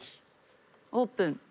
オープン。